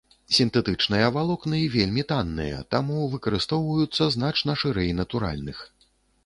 Сінтэтычныя валокны вельмі танныя, таму выкарыстоўваюцца значна шырэй натуральных.